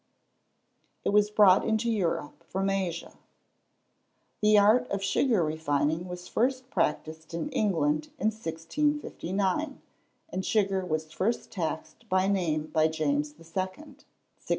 It was brought into Europe from Asia. The art of sugar refining was first practised in England, in 1659, and sugar was first taxed by name by James II.